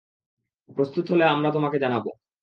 প্রস্তুত হলে আমরা তোমাকে জানাব।